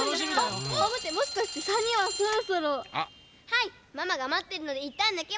はいママがまってるのでいったんぬけます！